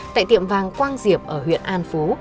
tại tiệm vàng quang diệp ở huyện an phú